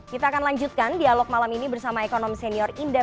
kita akan lanjutkan dialog malam ini bersama ekonom senior indra favilliani dan ketua dpr